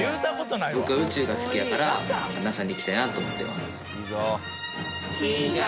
僕は宇宙が好きだからＮＡＳＡに行きたいなと思ってます。